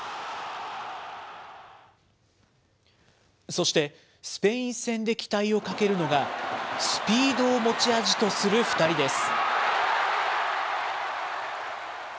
そして、スペイン戦で期待をかけるのが、スピードを持ち味とする２人です。